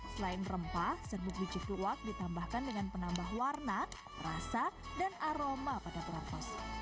selain rempah serbuk biji kuwak ditambahkan dengan penambah warna rasa dan aroma pada perangkos